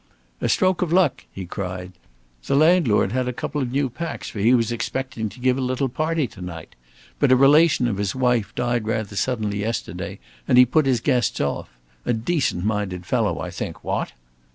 "A stroke of luck," he cried. "The landlord had a couple of new packs, for he was expecting to give a little party to night. But a relation of his wife died rather suddenly yesterday, and he put his guests off. A decent minded fellow, I think. What?"